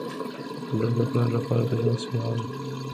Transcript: • لور د پلار لپاره د امید شمعه وي.